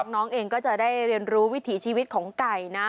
น้องเองก็จะได้เรียนรู้วิถีชีวิตของไก่นะ